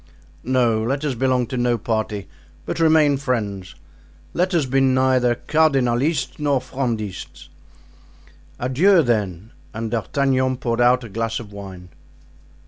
"No, let us belong to no party, but remain friends; let us be neither Cardinalists nor Frondists." "Adieu, then." And D'Artagnan poured out a glass of wine.